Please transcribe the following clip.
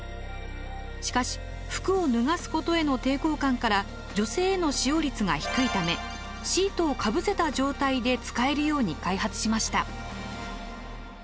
しかし服を脱がすことへの抵抗感から女性への使用率が低いためシートをかぶせた状態で使えるように開発しました。